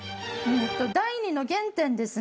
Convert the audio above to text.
「第２の原点」？